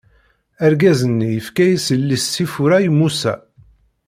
Argaz-nni ifka-as yelli-s Sifura i Musa.